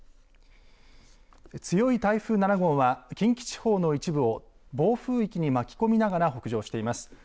強い台風７号は近畿地方の一部を暴風域に巻き込みながら北上しています。